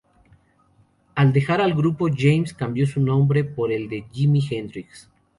Al dejar al grupo, James cambió su nombre por el de Jimi Hendrix.